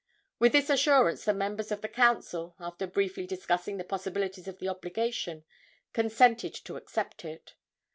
With this assurance the members of the council, after briefly discussing the possibilities of the obligation, consented to accept it.